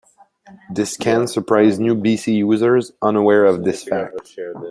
This can surprise new bc users unaware of this fact.